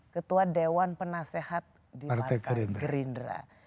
ketua dewan penasehat di partai gerindra